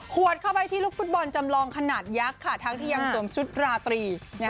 วดเข้าไปที่ลูกฟุตบอลจำลองขนาดยักษ์ค่ะทั้งที่ยังสวมชุดราตรี